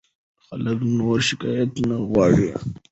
خلک نور شکایت نه غواړي.